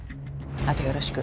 あとよろしく。